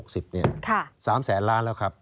๓แสนล้านแล้วครับ